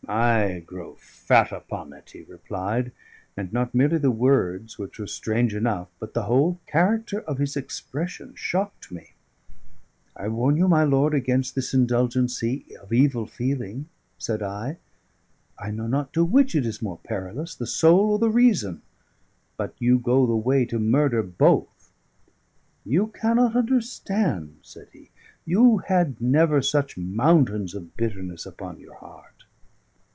"I grow fat upon it," he replied: and not merely the words, which were strange enough, but the whole character of his expression, shocked me. "I warn you, my lord, against this indulgency of evil feeling," said I. "I know not to which it is more perilous, the soul or the reason; but you go the way to murder both." "You cannot understand," said he. "You had never such mountains of bitterness upon your heart."